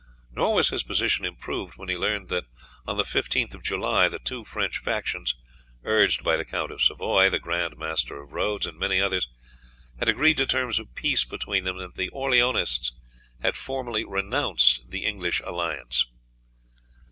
Nor was his position improved when he learned that on the 15th of July the two French factions, urged by the Count of Savoy, the Grand Master of Rhodes, and many others, had agreed to terms of peace between them, and that the Orleanists had formally renounced the English alliance.